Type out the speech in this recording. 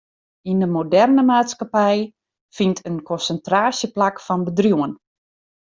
Yn de moderne maatskippij fynt in konsintraasje plak fan bedriuwen.